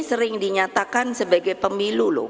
sering dinyatakan sebagai pemilu loh